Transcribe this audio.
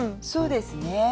そうですね。